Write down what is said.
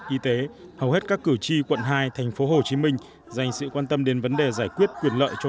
y tế hầu hết các cử tri quận hai tp hcm dành sự quan tâm đến vấn đề giải quyết quyền lợi cho